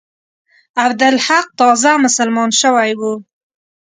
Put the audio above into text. عبدالحق تازه مسلمان شوی وو.